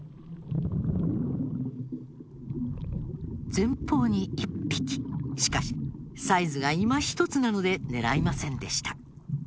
右手に構えたとここでしかしサイズがいまひとつなので狙いませんでした。